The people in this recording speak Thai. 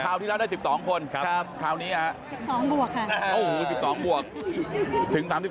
คราวที่เราได้๑๒คนครับคราวนี้คือ๑๒บวกถึง๓๓เต็มไหม